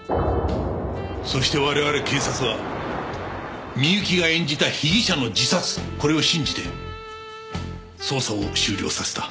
そして我々警察はみゆきが演じた被疑者の自殺これを信じて捜査を終了させた。